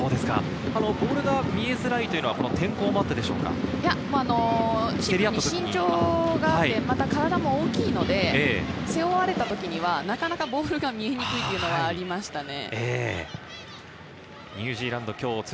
ボールが見えづらいとい身長があって体も大きいので、背負われた時にはなかなかボールが見えにくいというのがありますね。